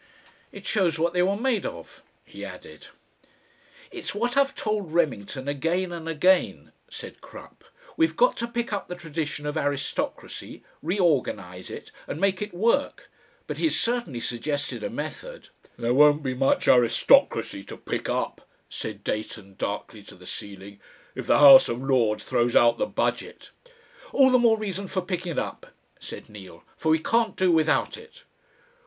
"It shows what they were made of," he added. "It's what I've told Remington again and again," said Crupp, "we've got to pick up the tradition of aristocracy, reorganise it, and make it work. But he's certainly suggested a method." "There won't be much aristocracy to pick up," said Dayton, darkly to the ceiling, "if the House of Lords throws out the Budget." "All the more reason for picking it up," said Neal. "For we can't do without it."